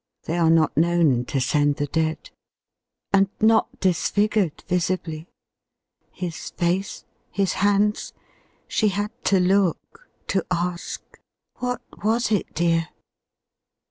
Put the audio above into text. They are not known to send the dead ŌĆö And not disfigured visibly. His face? ŌĆö His hands? She had to look ŌĆö to ask, "What was it, dear?"